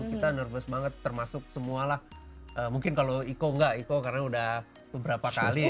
kita nervous banget termasuk semua lah mungkin kalau iko enggak iko karena udah beberapa kali ya